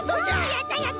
やったやった！